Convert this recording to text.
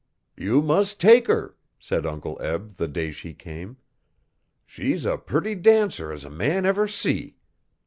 'You mus' take 'er,' said Uncle Eb, the day she came. 'She's a purty dancer as a man ever see.